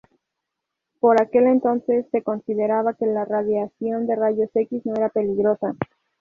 Por aquel entonces, se consideraba que la radiación de Rayos X no era peligrosa.